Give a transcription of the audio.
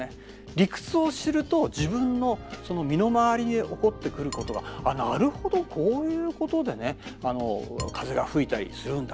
理屈を知ると自分の身の回りに起こってくることがあっなるほどこういうことで風がふいたりするんだ。